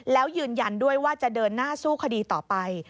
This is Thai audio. แล้วยืนยันด้วยว่าจะเดินหน้าสู้คดีต่อไป